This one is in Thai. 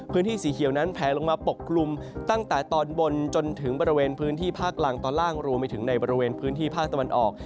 สีเขียวนั้นแผลลงมาปกคลุมตั้งแต่ตอนบนจนถึงบริเวณพื้นที่ภาคล่างตอนล่างรวมไปถึงในบริเวณพื้นที่ภาคตะวันออก